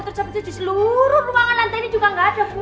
terus abis itu di seluruh ruangan lantai ini juga gak ada bu